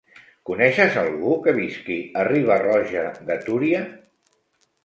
Coneixes algú que visqui a Riba-roja de Túria?